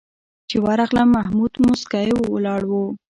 چې ورغلم محمود موسکی ولاړ و.